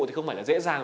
thì không phải là dễ dàng